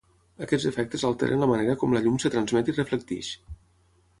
Aquests efectes alteren la manera com la llum es transmet i reflecteix.